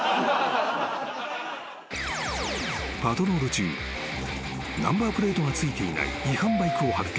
［パトロール中ナンバープレートが付いていない違反バイクを発見］